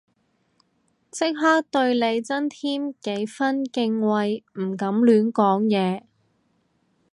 即刻對你增添幾分敬畏唔敢亂講嘢